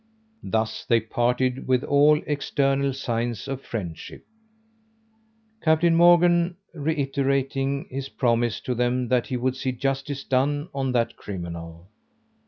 Thus they parted with all external signs of friendship, Captain Morgan reiterating his promises to them that he would see justice done on that criminal.